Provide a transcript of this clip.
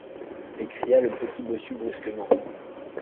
S'écria le petit bossu brusquement.